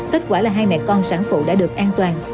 kết quả là hai mẹ con sản phụ đã được an toàn